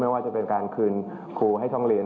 ว่าจะเป็นการคืนครูให้ท่องเรียน